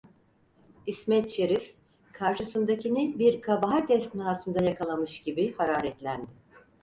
İsmet Şerif, karşısındakini bir kabahat esnasında yakalamış gibi hararetlendi.